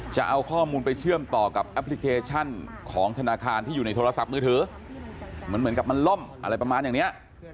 จะเอาข้อมูลไปเชื่อมต่อกับแอปพลิเคชันของธนาคารที่อยู่ในโทรศัพท์มือถือเหมือนกับมันล่มอะไรประมาณอย่างเนี้ย